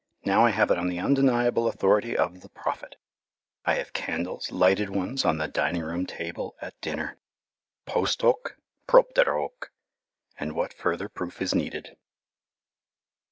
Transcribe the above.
Now I have it on the undeniable authority of the Prophet. I have candles, lighted ones, on the dining room table at dinner. Post hoc, propter hoc and what further proof is needed!